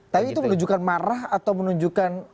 tapi itu menunjukkan marah atau menunjukkan